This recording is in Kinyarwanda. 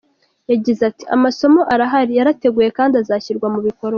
Yagize ati: “Amasomo arahari, yarateguwe kandi azashyirwa mu bikorwa.